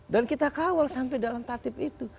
dan kita kawal sampai dalam tatib itu